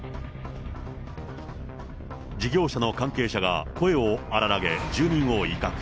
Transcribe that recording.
事業者の関係者が声を荒らげ、住民を威嚇。